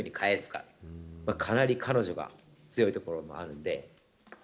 かなり彼女が強いところもあるんで。